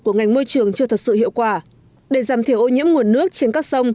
của ngành môi trường chưa thật sự hiệu quả để giảm thiểu ô nhiễm nguồn nước trên các sông